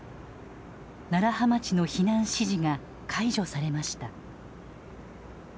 楢葉町の避難指示が解除されました。